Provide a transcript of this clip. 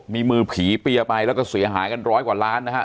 มีมือผีเปียร์ไปแล้วก็เสียหายกันร้อยกว่าล้านนะฮะ